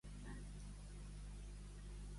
Fou una dona sana?